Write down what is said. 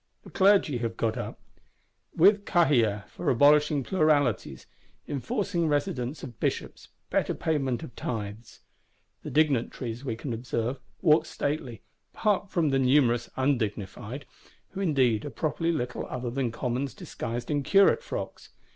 The Clergy have got up; with Cahiers for abolishing pluralities, enforcing residence of bishops, better payment of tithes. The Dignitaries, we can observe, walk stately, apart from the numerous Undignified,—who indeed are properly little other than Commons disguised in Curate frocks.